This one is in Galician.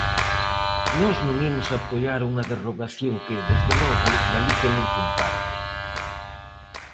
Nós non imos apoiar unha derrogación que, desde logo, Galicia non comparte.